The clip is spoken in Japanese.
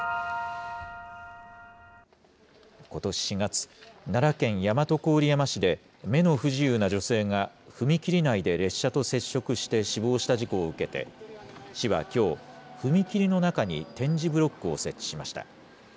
ことし４月、奈良県大和郡山市で目の不自由な女性が踏切内で列車と接触して死亡した事故を受けて、市はきょう、踏切の中に点字ブロックを設置しました。